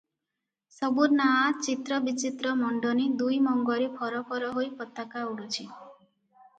ସବୁ ନାଆ ଚିତ୍ର ବିଚିତ୍ର ମଣ୍ଡନୀ ଦୁଇ ମଙ୍ଗରେ ଫରଫର ହୋଇ ପତାକା ଉଡୁଛି ।